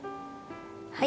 はい。